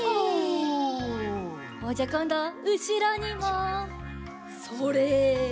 じゃあこんどはうしろにも。それ！